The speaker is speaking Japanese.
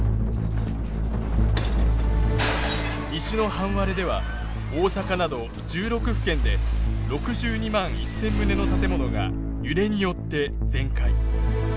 西の半割れでは大阪など１６府県で６２万１，０００棟の建物が揺れによって全壊。